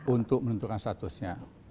untuk menentukan statusnya